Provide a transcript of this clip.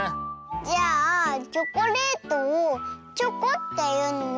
じゃあチョコレートをチョコっていうのもそう？